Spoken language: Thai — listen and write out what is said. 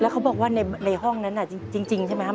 เขาบอกว่าในห้องนั้นจริงใช่ไหมครับ